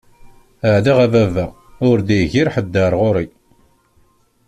Ala a baba ur d-igir ḥed ɣer ɣur-i.